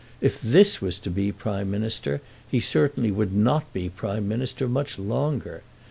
If this was to be Prime Minister he certainly would not be Prime Minister much longer!